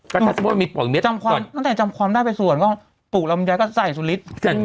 ก็ถ้าพูดมันมีปกเม็ด